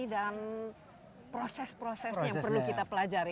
dan proses prosesnya yang perlu kita pelajari